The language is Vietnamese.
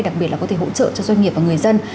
đặc biệt là có thể hỗ trợ cho doanh nghiệp và người dân